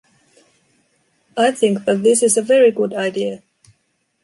I think that this is a very good idea.